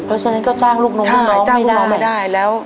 เพราะฉะนั้นก็จ้างลูกน้องไปจ้างลูกน้องไม่ได้แล้ว